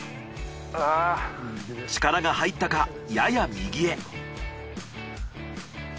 力が入ったかやや右へ。